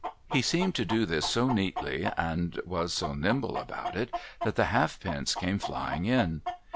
' He seemed to do this so neatly, and was so nimble about it, that the halfpence came flying in.